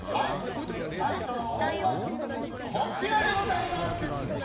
最初のお題はこちらでございます。